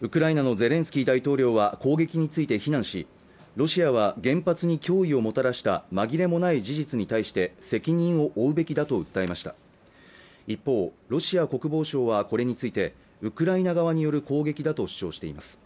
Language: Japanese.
ウクライナのゼレンスキー大統領は攻撃について非難しロシアは原発に脅威をもたらした紛れもない事実に対して責任を負うべきだと訴えました一方、ロシア国防省はこれについてウクライナ側による攻撃だと主張しています